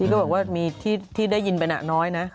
ก็บอกว่ามีที่ได้ยินไปน่ะน้อยนะ